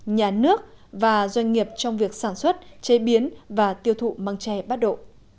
nhà nước và doanh nghiệp trong việc sản xuất chế biến và tiêu thụ măng tre bát độ